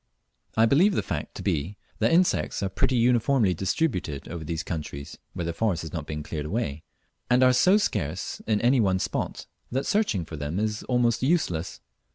I believe the fact to be that insects are pretty uniformly distributed over these countries (where the forests have not been cleared away), and are so scarce in any one spot that searching for them is almost useless.